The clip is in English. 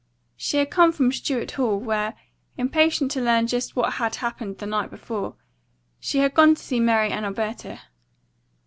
She had come from Stuart Hall, where, impatient to learn just what had happened the night before, she had gone to see Mary and Alberta.